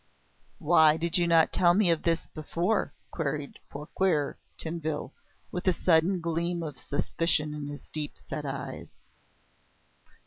"Why did you not tell me of this before?" queried Fouquier Tinville, with a sudden gleam of suspicion in his deep set eyes.